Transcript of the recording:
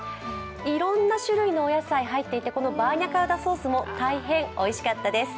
いろんな種類のお野菜入っていて、このバーニャカウダソースも大変おいしかったです。